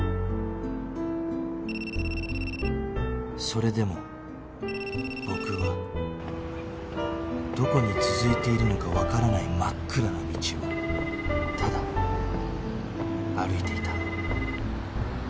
それでも僕はどこに続いているのかわからない真っ暗な道をただ歩いていた